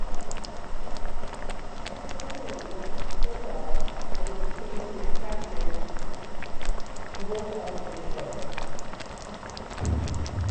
This formula worked so well that it became an attraction more of the shows.